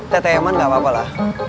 teteh aman ga apa apa lah